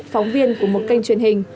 phóng viên của một kênh truyền hình